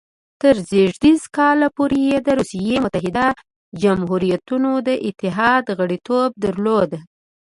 تر زېږدیز کال پورې یې د روسیې متحده جمهوریتونو د اتحاد غړیتوب درلود.